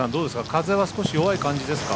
風は少し弱い感じですか？